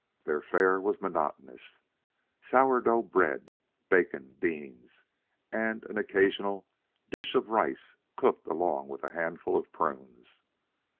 Their fare was monotonous: sour dough bread, bacon, beans, and an occasional dish of rice cooked along with a handful of prunes.